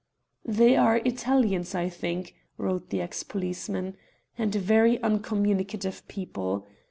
"They are Italians, I think," wrote the ex policeman, "and very uncommunicative people.